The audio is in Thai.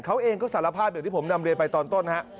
เขาเองก็สารภาพอย่างที่ผมนำเรียนไปตอนต้นฮะ